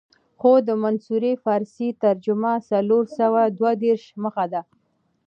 خو د منصوري فارسي ترجمه څلور سوه دوه دېرش مخه ده.